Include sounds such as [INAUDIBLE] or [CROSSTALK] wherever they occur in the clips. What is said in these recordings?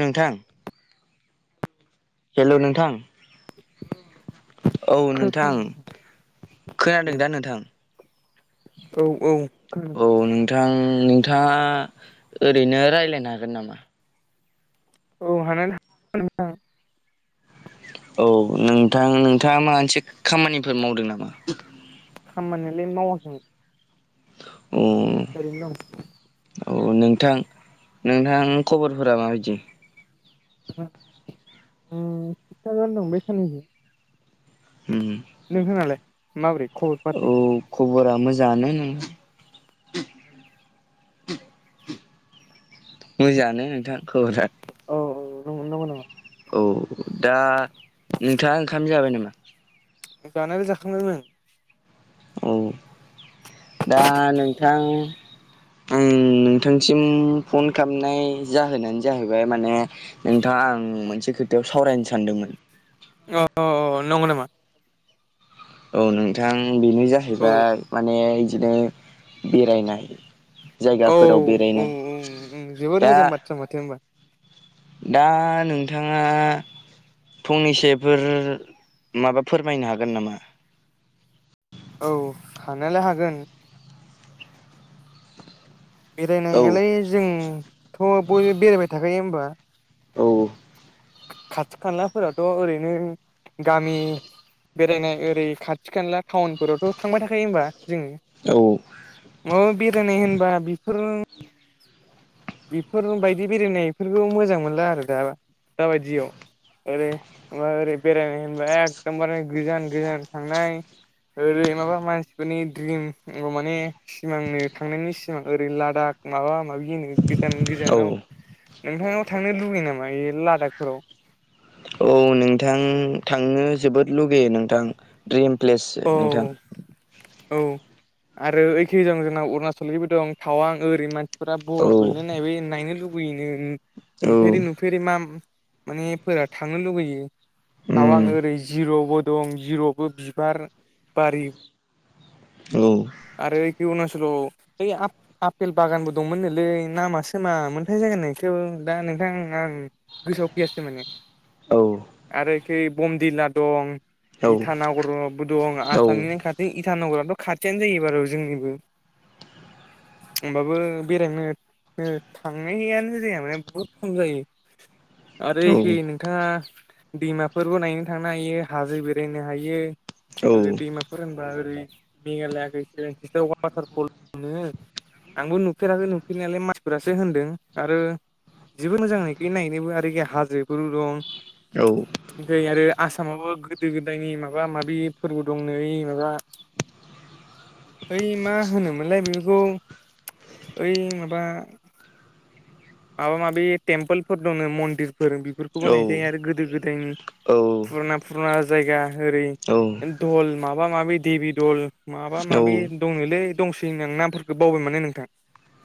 नोंथां हेल' नोंथां। औ नोंथां खोनादों दा नोंथां? औ औ। औ नोंथां नोंथाङा ओरैनो रायलायनो हागोन नामा? औ हान अ। औ नोंथां नोंथाङा माबा मोनसे खामानिफोर मावदों नामा? खामानिलाय मावाखै। अ। न [UNINTELLIGIBLE] औ नोंथां नोंथां खबरफोरा माबायदि? अ थिगानो दं बे साननैजों। उम। नों होनालाय माबोरै खबर पाथि? खबरा मोजाङानो नोंथां। मोजाङानो नोंथां खबरा। औ औ नंगौ नंगौ नामा? औ दा नोंथाङा ओंखाम जाबाय नामा? जानायाल' जाखांबायमोन। औ दा नोंथां। आं नोंथांसिम फन खालामनाय जाहोनानो जाहैबाय माने नोंथाङा आं मोनसे खोथायाव सावरायनो सानदोंमोन। अ नंगौ नामा? औ नोंथां बेनो औ जाहैबाय माने इदिनो बेरायनाय औ जायगाफोराव औ बेरायनाय औ जोबोद दा मोजां बाथ्रा माथो होनबा। दा नोंथाङा। फंनैसोफोर माबा फोरमायनो हागोन नामा? औ खानायालाय हागोन। औ बेरायनायालाय जोंथ' बयबो बेरायबाय थाखायो होमबा। औ। खाथि खालाफोराथ' ओरैनो गामि बेरायनाय ओरै खाथि खानला टाउनफोरावथ' थांबाय थाखायो होमबा जोङो? औ। औ बेरायनाय होनबा बेफोरो बेफोर बायदि बेरायनायफोरखौ मोजां मोनला आरो दा दाबायदियाव। ओरै मा ओरै बेरायनाय होनबाय एखदमबारे गोजान गोजान थांनाय। ओरै माबा मानसिफोरनि द्रिम माने सिमांनो थांनायनि सिमां ओरै लादाख माबा माबि गोजान औ गोजानाव नोंथां थांनो लुगैयो नामा बे लादाखफोराव? औ नोंथां थांनो जोबोद लुगैयो नोंथां। ड्रिम प्लेस औ नोंथां औ। आरो एखेजों जोंना अरुणाचलनिबो दं थावां ओरै मानसिफोरा औ बरफ गोल्लैनो नाय नायनो लैनो औ नु फेर माम माने फोर थांनो लुुबैयो थाव उम आं ओरै जिर'बो दं जिरौबो बिबार बारि औ आरो खवनास'लाव ओइ आप आपेल बागानबो दंमोननोलै नामासो मामोन थाय जायगानिखौव दा नोंथां आं गोसोआव फैयासे माने औ आरोखै बमदिलला दं औ इटानगरबो दं औ आसामनिनो खाथि ओइ इथानगरथ' खाथियानो जायो बारु जोंनिबो होमबाबो बेरायनो बो थांनायआानो जाया माने बहुत खम जायो आरो औ एखे नोंथाङा दैमाफोरबो नायनो थांनो हायो हाजो बेरायनो हायो ओरै दैमाफोर होनबा ओरै मेघालायाखै बेसट वाटारफल मोनो आंबो नुफेराखै नुफेरनायालाय मानसिफोरासो होनदों आरो जेबो मोजां नायखै नायनोबो आरोखि हाजिरोफोरबो दं औ ओमफ्राय आरो आसामावबो गोदो गोदायनि माबा माबि फोरबो दंनो ओइ माबा ओइ मा होनोमोनलाय बेफोरखौ ओइ माबा माबा माबि टेम्पोलफोर दङ मन्दिरफोर औ बेफोरखौबो नायजायो आरो गोदो गोदायनि औ फुराना फुराना जायगा ओरै दल माबा माबि देबि दल माबा माबि दंनोलै दंसै होन आां नामफोरखौ बावबाय माने नोंथां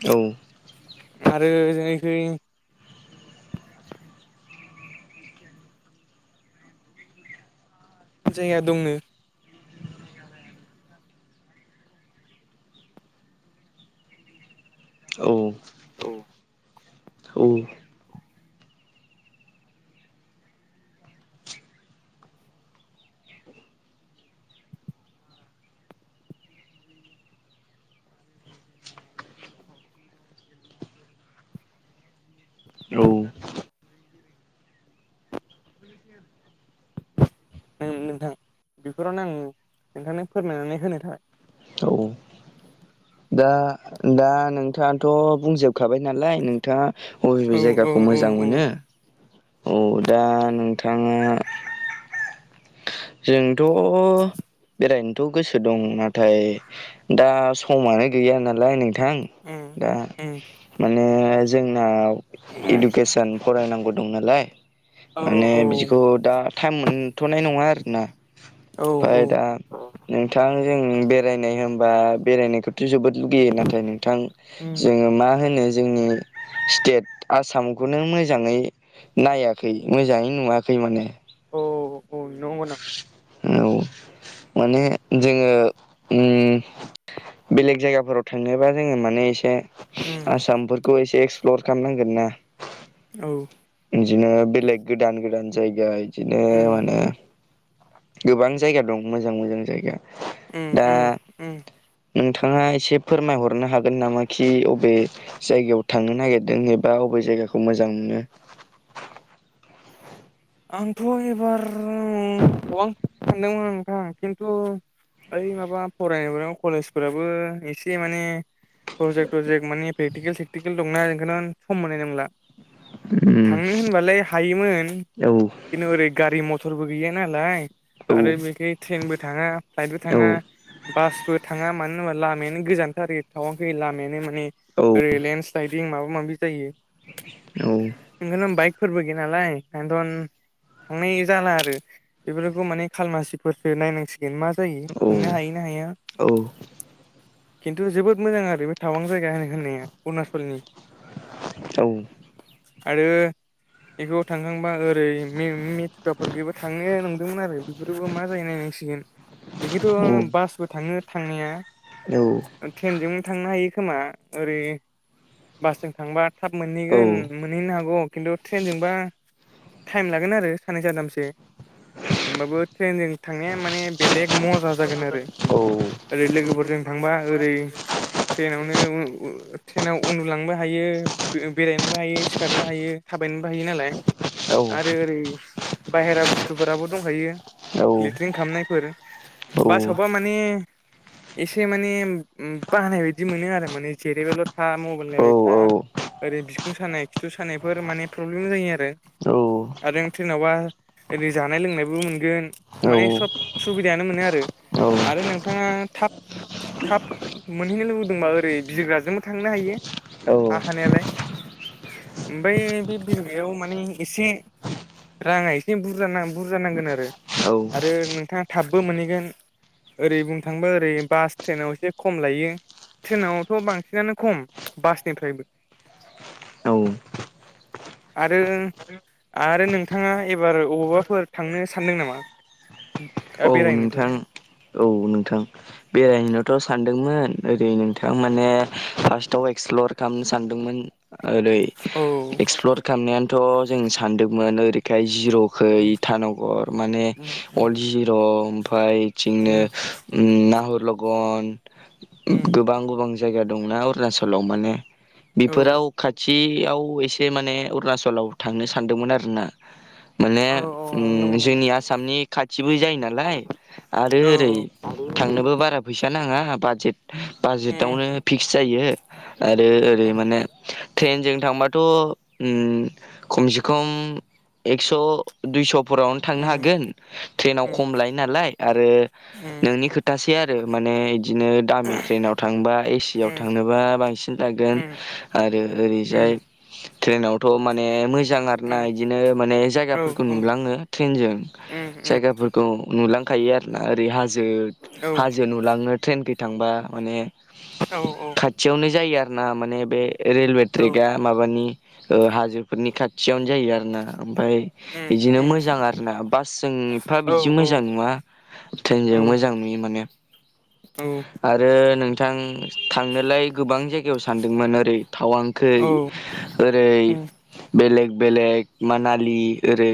औ आरो जोंखै जायगा दंनो औ औ औ ओं नोंथां बेफोरावनो आं नोंथांनो फोरमायनानै होनो थाखाय औ। दा दा नोंथाङाथ' बुंजोबखाबाय नालाय नोंथाङा अबेबे औ औ जायगाखौ औ मोजां औ मोनो औ दा नोंथाङा जोंथ' बेरायनोथ' गोसो दं नाथाय दा समानो गैया नालाय नोंथां उम दा उम माने जोंना इडुकेसन फरायनांगौ दं नालाय औ माने औ बिदिखौ दा टाइम मोनथ'नाय नङा आरोना ओमफ्राय औ दा नोंथां जों बेरायनाय होनबा बेरायनायखौथ' थ' जोबोद लुगैयो नाथाय नोंथां उम जोङो मा होनो जोंनि स्टेट आसामखौनो मोजाङै नायाखै मोजाङै नुवाखै माने अ औ न' नामा? औ माने जोङो ओम बेलेग जायगाफोराव थांनोबा जोङो माने एसे ओ आसामफोरखौ एसे एक्सप्लर खालामनांगोन ना औ बिदिनो बेलेग गोदान गोदान जायगा बिदिनो उम माने गोबां जायगा दं मोजां मोजां जायगा दा ओम नोंथाङा एसे फोरमायहरनो हागोन नामा खि अबे जायगायाव थांनो नागिरदों एबा अबे जायगाखौ मोजां मोनो आंथ' एबार [UNINTELLIGIBLE] ओइ माबा फरायनायफोराव कलेजफोराबो एसे माने ओ प्रजेक्ट प्रजेट मानानि प्रेटिकेल सेक्टिकेल दंना बेखौनो सम मोननाय नंला। उम थांनो होनबालाय हायोमोन औ। ओरै गारि मथरबो गैया नालाय आरो बेख ट्रेनबो थाङा। फ्लाइटबो औ थाङा बासबो थाङा मानो होनबा लामायानो गोजानथ' आरो थाव फै लामायानो मोन माने औ ओरै लेन्डस्लाइदिं माबा माबि जायो। औ। ओंखायनो बाइकफोरबो गैया नालायथो मैया जाना होदों बेफोरखौ माने खालमासिफोरसो नायनांसिगोन मा जायो औ थांनो हायो ना हाया औ। खिन्थु जोबोद मोजां आरो बे थावां जायगा होनो होननाया अरुणचलनि [INAUDIBLE] औ। आरो बेखौ थांखांबा ओरै मेथुखाफोरखौबो थांनो नंदोंमोन आरो बेफोरबो मा जाहै नायनांसिगोन? बिदिथ' बासबो थाङो थांनाया। औ। ट्रेनजोंबो थांनो हायो खोमा ओरै बासजों थांबा थाब मोनहैगोन मोनहैनो हागौ खिन्थु ट्रेनजोंबा टाइम लागोन आरो सानै सानथामसो। होमबाबो ट्रेनजों थांनाया माने बेलेग मजा जागोन आरो। औ। ओरै लोगोफोरजों थांबा ओरै ट्रेनावनो ट्रेनाव उन्दुलांनोबो हायो बेरायनोबो हायो सिखारनोबो हायो आरो थाबायनो बायो नालाय। आरो ओरै बाहेरा बुस्थुफोराबो दंखायो औ लेट्रिन खालामनायफोर बसावबा माने एसे माने बानाय बायदि मोनो आरो माने जेरायबाल' था मबाइल नाया था ओरै बिखुं सानाय खिथु सानायफोर माने प्रब्लेम जायो आरो। आरो थ्रेनावबा ओरै जानाय लोंनायबो मोनगोन माने सब सुबिदायानो मोनो आरो। आरो नोंथाङा थाब थाब मोनहैनो लुबैदोंबा ओरै बिग्राजोंबो थांनो हायो। हा हानायालाय ओमफ्राय बे बिगायाव माने एसे। राङा एसे बुरजा बुरजा नांगोन आरो आरो नोंथाङा थाबबो मोनहैगोन ओरै बुंनो थांबा ओरै बास स्टेेनाव एसे खम लायो। ट्रेनावथ' बांसिनानो खम बासनिफ्राय औ। आरो। आरो नोंथाङा एबार अबावबाफोर थांनो सानदों नामा औ नोंथां बेरायनोफोर औ नोंथां। बेरायनोनोथ' सानदोंमोन ओरै नोंथां माने फार्स्टआव एक्सप्लर खालामनो सानदोंमोन आरो। ओरै औ एक्सप्लर खालामनायानोथ' जों सानदोंमोन ओरैखाय जिर' खै उम इटानगर माने उम उम अल्ड जिर' ओमफ्राय इथिंनो। उम ओम नाहर लगन गोबां गोबां जायगा दंना अरुणाचलाव माने उम बेफोराव खाथियाव एसे माने अरुणचलाव थांनो सानदोंमोन आरो ना। माने औ औ नंगौ जोंनि नामा आसामनि खाथिबो जायो नालाय। आरो औ ओरै थांनो बारा फैसा नाङा बाजेट उम उम बाजेटआवनो फिक्स जायो। आरो ओरै उम माने ट्रेनजों थांबाथ' उम खमसे खम एक्स' दुइस'फोरावनो थांनो उम उम हागोन ट्रेनाव खम लायो। नालाय आरो नोंनि खोथासै आरो माने बिदिनो दामि ट्रेनाव थांबा एसि आव थांनोबा बांसिन थागोन आरो ओरैजाय ट्रेनावथ' माने मोजां मोजां आरोना बिदिनो माने औ जायगाफोरखौ उम नुलाङो ट्रेनजों उम उम औ उम जायगाफोरखौ। नुलांखायो आरोना ओरै हाजो औ हाजो नुलांनो ट्रेनखै थांबा माने औ औ खाथियावनो जायो आरो ना माने बे रेलवे ट्रेकआ। माबानि ओ हाजोफोरनि खाथियावनो जायो आरो ना ओमफ्राय बिदिनो मोजां आरो ना बासजोंफा बिदि बिदि मोजां नुङा ट्रेनजों मोजां नुयो माने। आरो नोंथां थांनोलाय गोबां जायगायाव सानदोंमोन ओरै थावांखै ओरै उम बेलेग बेलेग मानालि ओरै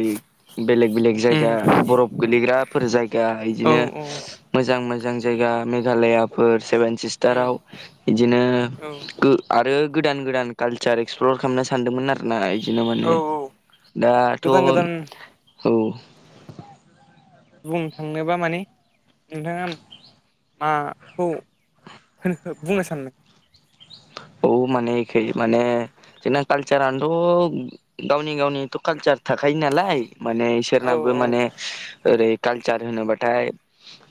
बेलेग बेलेग जायगा उम बरफ गोलैग्राफोर जायगा औ इदिनो औ मोजां मोजां जायगा मेघालयाफोर सेभेन उम सिस्टाराव बिदिनो औ गो आरो गोदान गोदान कालचार एक्सप्लर खालामनो सानदोंमोन आरोना। बिदिनो माने औ औ दाथ' गोदान गोदान औ बुंनो थांनोबा माने नोंथाङा माखौ होनो बुंनो सानदों। औ माने इखै माने जोंना कालसारानोथ' गावनि गावनिथ' कालसार थाखायो नालाय माने औ बिसोरनाबो औ माने ओरै कालचार होनोबाथाय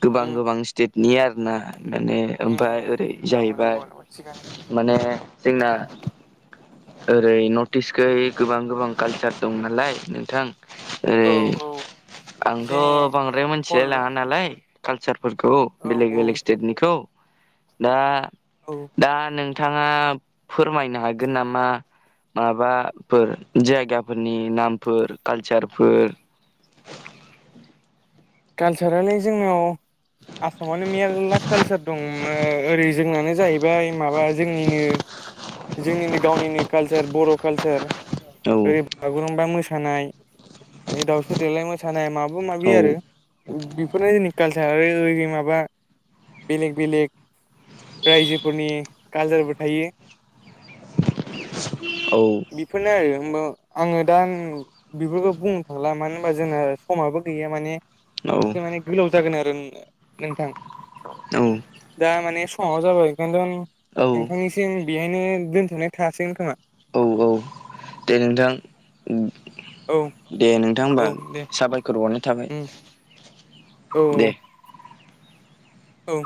गोबां उम गोबां स्टेट नि आरोना माने ओमफ्राय ओरै जाहैबाय। सिगांनो माने जोंना ओरै नर्थ इस्टखै गोबां गोबां कालचार दं नालाय नोंथां। औ ओै औ जेने आंथ' बांद्राय फर मिथिलाय औ लाङा नालाय। कालचारफोरखौ बेलेग औ बेलेग स्टेटनिखौ दा औ दा नोंथाङा फोरमायनो हागोन नामा? माबाफोर जायगाफोरनि नामफोर कालसारफोर। कालसारालाय जोंनाव आसामानो मेरला कालसार दं ओरै जोंनानो जाहैबाय माबा जोंनिनो जोंनिनो गावनिनो कालसार बर' कालचार। औ ओरै बागुरुमबा मोसानाय दाावस्रि देलाय मोसानाय माबा औ माबि आरो। बेफोरनो जोंनि कालसार ओ माबा बेलेग बेलेग रायजोफोरनि कालसारबो थायो। औ बेफोरनो आरो हबा आङो दा बेफोरखौ बुंनो थांला मानो होनबा जोंना समाबो गैया माने औ एसे माने गोलाव जागोन आरो नोंथां। औ दा माने साव जाबाय [UNINTELLIGIBLE] औ नोंथांनिसिम बेहायनो दोनथ'नाय थासै नोंथाङा? औ औ दे नोंथां औ दे नोंथां होमबा औ दे साबायखर हरनाय थाबाय। उम औ। दे औ